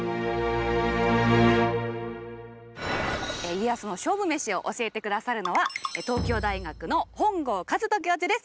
家康の勝負メシを教えて下さるのは東京大学の本郷和人教授です。